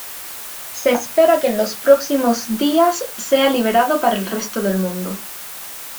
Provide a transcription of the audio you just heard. Se espera que en los próximos días sea liberado para el resto del mundo.